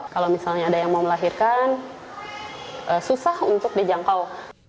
kalau misalnya ada yang mau melahirkan susah untuk dijangkau